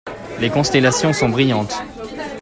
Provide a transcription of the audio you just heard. Les constellations sont brillantes.